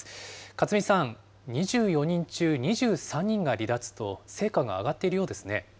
勝海さん、２４人中２３人が離脱と、成果が上がっているようですね。